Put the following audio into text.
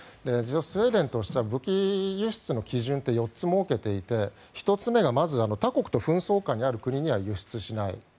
スウェーデンとしては武器輸出の基準って４つ設けていて、１つ目が他国と紛争下にある国には輸出しない。